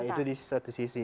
itu di satu sisi